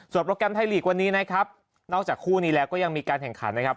โปรแกรมไทยลีกวันนี้นะครับนอกจากคู่นี้แล้วก็ยังมีการแข่งขันนะครับ